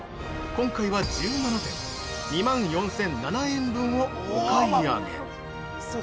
今回は１７点２万４００７円分をお買い上げ。